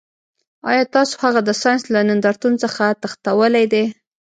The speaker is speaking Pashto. ایا تاسو هغه د ساینس له نندارتون څخه تښتولی دی